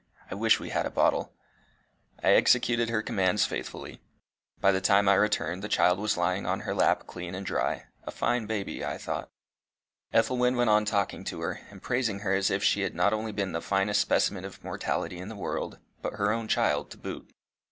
I wish we had a bottle." I executed her commands faithfully. By the time I returned the child was lying on her lap clean and dry a fine baby I thought. Ethelwyn went on talking to her, and praising her as if she had not only been the finest specimen of mortality in the world, but her own child to boot.